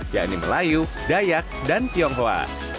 yaitu melayu dayak dan pionghoa